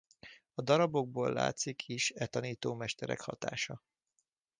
A darabokból látszik is e tanítómesterek hatása.